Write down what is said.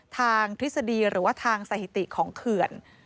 ทฤษฎีหรือว่าทางสถิติของเขื่อน